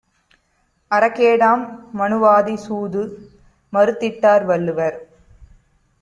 அறக்கேடாம் மநுவாதிசூது மறுத்திட்டார் Valluvar!